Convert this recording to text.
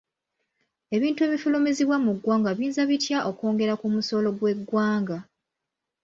Ebintu ebifulumizibwa mu ggwanga biyinza bitya okwongera ku musolo gw'eggwanga?